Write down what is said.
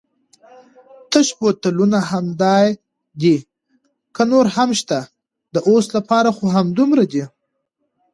تش بوتلونه همدای دي که نور هم شته؟ د اوس لپاره خو همدومره دي.